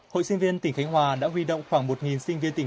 hội sinh viên tỉnh khánh hòa đã huy động khoảng một sinh viên tỉnh